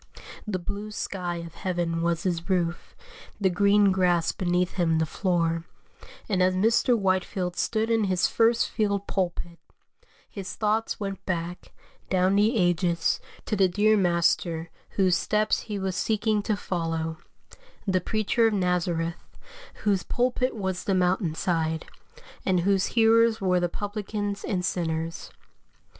The blue sky of heaven was his roof, the green grass beneath him the floor; and as Mr. Whitefield stood in his FIRST FIELD PULPIT, his thoughts went back, down the ages, to the dear Master whose steps he was seeking to follow the Preacher of Nazareth, whose pulpit was the mountain side, and whose hearers were the publicans and sinners.